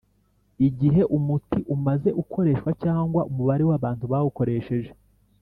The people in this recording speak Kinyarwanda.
igihe umuti umaze ukoreshwa cg umubare wʼabantu bawukoresheje